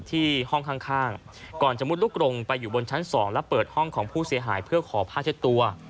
ที่ห้องข้างก่อนจะมุดลูกลงไปอยู่บนชั้น๒และเปิดห้องของผู้เสียหายเพื่อขอผ้าเช็ดตัว